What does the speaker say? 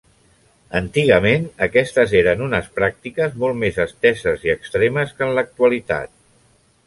Antigament aquestes eren unes pràctiques molt més esteses i extremes que en l'actualitat.